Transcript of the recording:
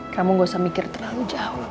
kamu gak usah mikir terlalu jauh